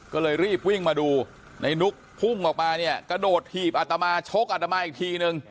ก็เลยรีบวิ่งมาดูในนุกพุ่งออกมาเนี่ยกระโดดถีบอัตมาชกอัตมาอีกทีนึง